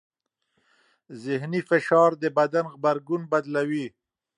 ذهني فشار د بدن غبرګون بدلوي.